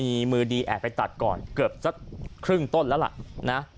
มีมือดีแอบไปตัดก่อนเกือบสักครึ่งต้นแล้วล่ะนะ